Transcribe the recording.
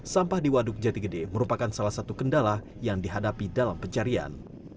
sampah di waduk jati gede merupakan salah satu kendala yang dihadapi dalam pencarian